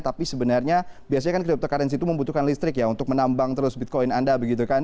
tapi sebenarnya biasanya kan cryptocurrency itu membutuhkan listrik ya untuk menambang terus bitcoin anda begitu kan